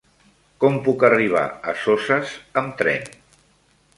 Com puc arribar a Soses amb tren?